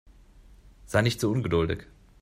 Sei nicht so ungeduldig.